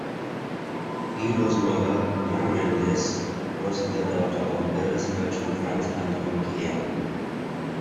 Guido's mother, Marian List, was the daughter of builder's merchant Franz Anton Killian.